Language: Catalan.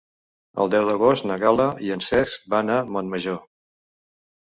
El deu d'agost na Gal·la i en Cesc van a Montmajor.